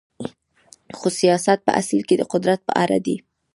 خو سیاست په اصل کې د قدرت په اړه دی.